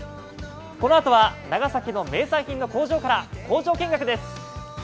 このあとは長崎の名産品の工場から工場見学です。